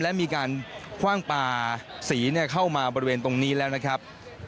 และมีการคว่างปลาสีเข้ามาบริเวณตรงนี้แล้วนะครับ